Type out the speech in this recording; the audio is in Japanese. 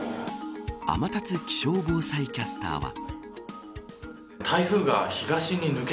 天達気象防災キャスターは。